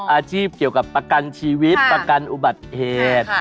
อาชีพเกี่ยวกับประกันชีวิตประกันอุบัติเหตุ